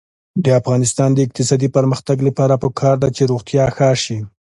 د افغانستان د اقتصادي پرمختګ لپاره پکار ده چې روغتیا ښه شي.